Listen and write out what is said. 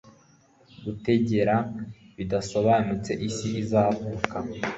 Gutegera bidasobanutse isi izavuka